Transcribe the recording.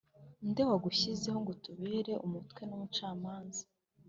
Nde wagushyizeho ngo utubere umutware n umucamanza